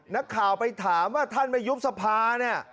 นักข่าวไปถามว่าท่านมายุบสภา